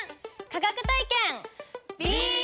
科学体験！